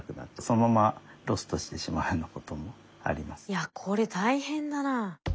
いやこれ大変だな。